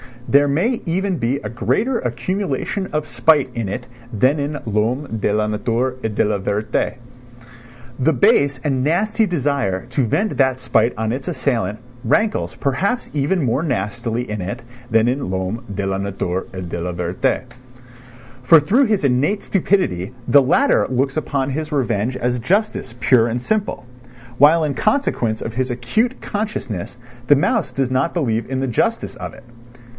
There may even be a greater accumulation of spite in it than in l'homme de la nature et de la vérité. The base and nasty desire to vent that spite on its assailant rankles perhaps even more nastily in it than in l'homme de la nature et de la vérité. For through his innate stupidity the latter looks upon his revenge as justice pure and simple; while in consequence of his acute consciousness the mouse does not believe in the justice of it.